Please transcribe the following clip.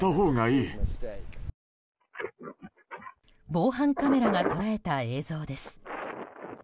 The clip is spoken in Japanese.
防犯カメラが捉えた映像です。